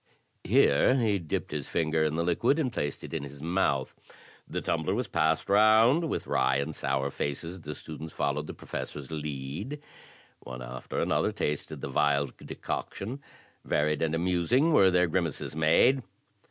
Here he dipped his finger in the liquid, and placed it in his mouth. The tumbler was passed round. With wry and sour faces the students followed the Professor's lead. One after another tasted the vile decoction; varied and amusing were the grimaces made.